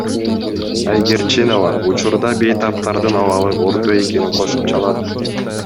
Айгерчинова учурда бейтаптардын абалы орто экенин кошумчалады.